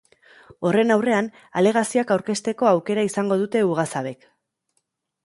Horren aurrean, alegazioak aurkezteko aukera izango dute ugazabek.